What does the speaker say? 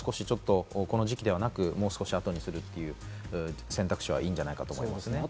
そういった面からもこの時期ではなく、もう少し後にするという選択肢はいいんじゃないかなと思います。